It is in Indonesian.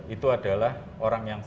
itu adalah orang yang